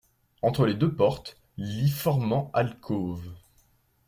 Entre les deux portes, lit formant alcôve.